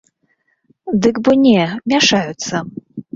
Дык бо не, мяшаюцца.